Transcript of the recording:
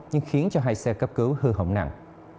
nhưng khiến cho hai xe cấp cứu hư hỏng nặng